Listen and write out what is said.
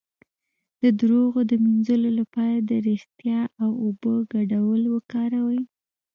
د دروغ د مینځلو لپاره د ریښتیا او اوبو ګډول وکاروئ